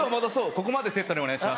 ここまでセットでお願いします。